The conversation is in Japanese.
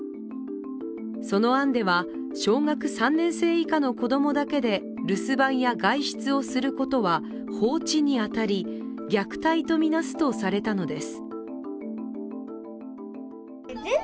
その案では小学３年生以下の子供だけで留守番や外出をすることは放置に当たり虐待とみなすとされたのです。